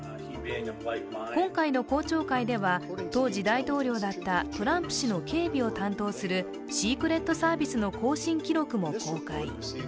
今回の公聴会では当時大統領だったトランプ氏の警備を担当するシークレットサービスの交信記録も公開。